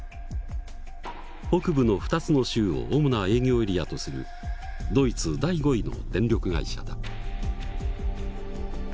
北部の２つの州を主な営業エリアとするドイツ第５位の電力会社だ。